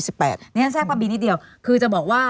แซ่งปับบีนิดเดียวคือจะบอกว่า